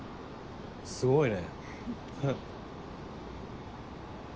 すごいね。